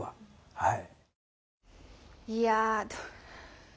はい。